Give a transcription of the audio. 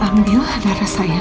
ambil darah saya